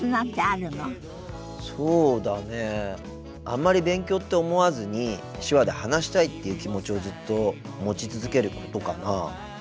あんまり勉強って思わずに手話で話したいっていう気持ちをずっと持ち続けることかな。